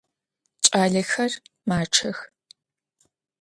Ç'alexer maççex.